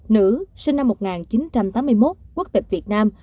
nữ sinh năm một nghìn chín trăm tám mươi một quốc tịch việt nam